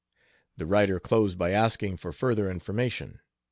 The writer closed by asking for further information.